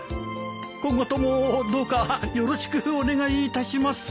今後ともどうかよろしくお願いいたします。